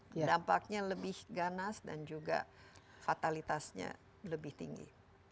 dampaknya lebih ganas dan juga fatalitasnya lebih tinggi